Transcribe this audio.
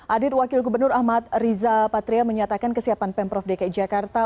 adit wakil gubernur ahmad riza patria menyatakan kesiapan pemprov dki jakarta